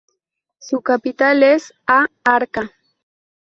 Su capital es A Arca.